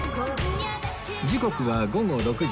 時刻は午後６時